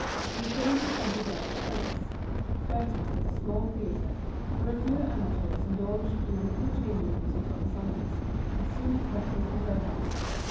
He was going to spend the day at a friend's, a flautist at a small theatre, where a few amateurs indulged in a little chamber music on Sundays as soon as breakfast was over.